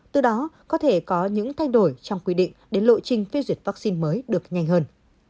từ đó có thể có những thay đổi trong quy định đến lộ trình phê duyệt vaccine mới được nhanh hơn